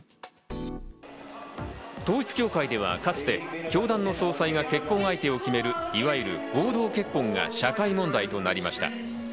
統一教会ではかつて教団の総裁が結婚相手を決める、いわゆる合同結婚が社会問題となりました。